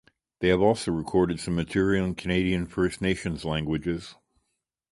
They have also recorded some material in Canadian First Nations languages.